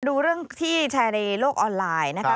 ดูเรื่องที่แชร์ในโลกออนไลน์นะคะ